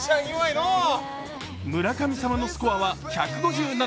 村神様のスコアは１５７。